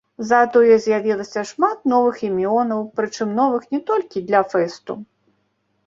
Затое з'явілася шмат новых імёнаў, прычым новых не толькі для фэсту.